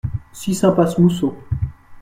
six impasse Mousseau